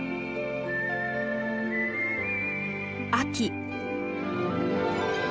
秋。